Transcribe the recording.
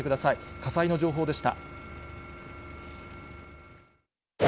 火災の情報でした。